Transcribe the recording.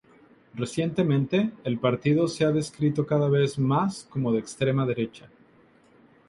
Recientemente, el partido se ha descrito cada vez más como de extrema derecha.